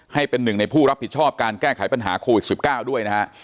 ให้เป็นหนึ่งในผู้รับผิดชอบการแก้ไขปัญหาโควิด๑๙ด้วยนะฮะ